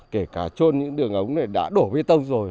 kể cả trôn những đường ống này đã đổ vi tông rồi